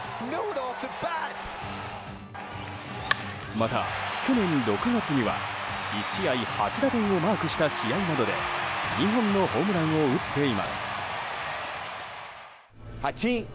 また、去年６月には１試合８打点をマークした試合などで２本のホームランを打っています。